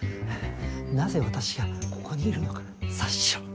なぜ私がここにいるのか察しろ。